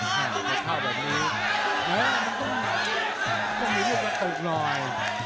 ภาพวัถภาพแบบนี้ต้องมีเมื่อกระตุกหน่อย